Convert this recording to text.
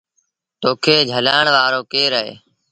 تو کي جھلآڻ وآرو ڪير اهي؟